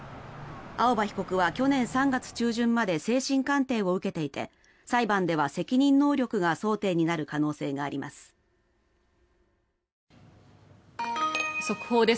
青葉被告は去年３月中旬まで精神鑑定を受けていて裁判では責任能力が争点になる可能性があります。